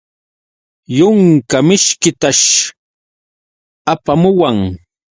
Yunka mishkitash apamuwan.